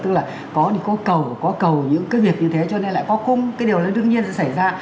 tức là có thì có cầu có cầu những cái việc như thế cho nên lại có cung cái điều đó đương nhiên sẽ xảy ra